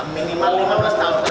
minimal lima belas tahun